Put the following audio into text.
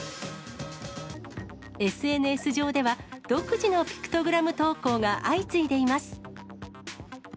ＳＮＳ上では、独自のピクトグラム投稿が相次いでいます。